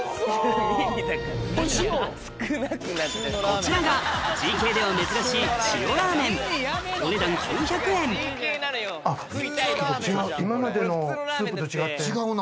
こちらがＧ系では珍しい塩ラーメンあっ違う。